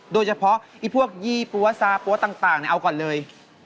โดยเฉพาะพวกยี่ปั๊วซาปั๊วต่างเอาก่อนเลย